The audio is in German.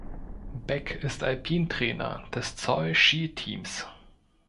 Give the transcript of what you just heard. Beck ist Alpin-Trainer des Zoll-Ski-Teams.